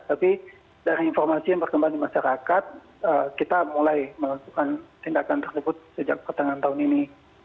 tapi dari informasi yang berkembang di masyarakat kita mulai melakukan tindakan tersebut sejak pertengahan tahun ini